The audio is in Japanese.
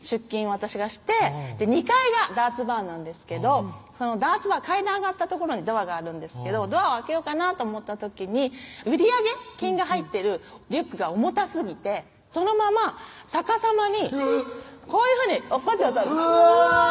私がして２階がダーツバーなんですけどダーツバー階段上がった所にドアがあるんですけどドアを開けようかなと思った時に売上金が入ってるリュックが重たすぎてそのまま逆さまにこういうふうに落っこっちゃったんですうわ！